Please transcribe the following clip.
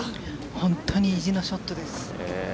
本当に意地のショットです。